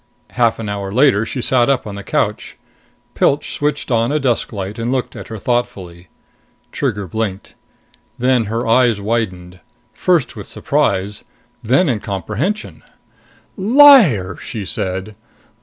Half an hour later she sat up on the couch. Pilch switched on a desk light and looked at her thoughtfully. Trigger blinked. Then her eyes widened, first with surprise, then in comprehension. "Liar!" she said.